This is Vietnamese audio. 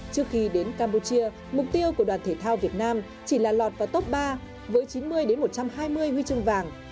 trước khi đến campuchia mục tiêu của đoàn thể thao việt nam chỉ là lọt vào top ba với chín mươi một trăm hai mươi huy chương vàng